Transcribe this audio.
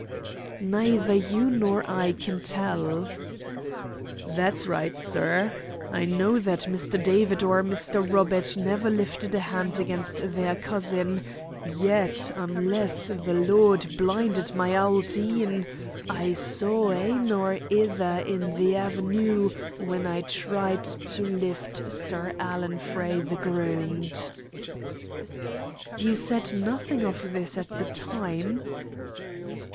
"Neither you nor I can tell." "That's right, sir. I know that Mr. David or Mr. Robert never lifted a hand against their cousin, yet, unless the Lord blinded my auld een, I saw ane or ither in the avenue when I tried to lift Sir Alan frae the groond." "You said nothing of this at the time?"